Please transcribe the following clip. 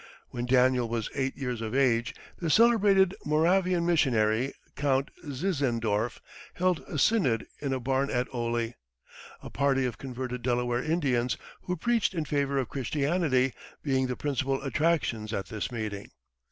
When Daniel was eight years of age, the celebrated Moravian missionary, Count Zinzendorf, held a synod in a barn at Oley, a party of converted Delaware Indians, who preached in favor of Christianity, being the principal attractions at this meeting.